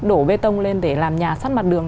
đổ bê tông lên để làm nhà sắt mặt đường